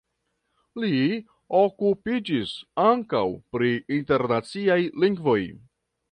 Li okupiĝis ankaŭ pri internaciaj lingvoj.